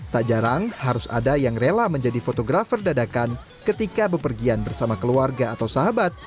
tak jarang harus ada yang rela menjadi fotografer dadakan ketika bepergian bersama keluarga atau sahabat